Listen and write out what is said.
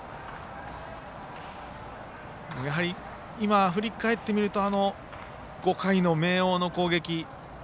やはり、今、振り返ってみると５回の明桜の攻撃。